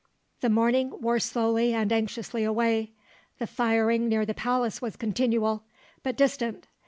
The morning wore slowly and anxiously away. The firing near the palace was continual, but distant.